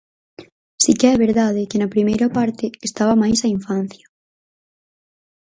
Si que é verdade que na primeira parte estaba máis a infancia.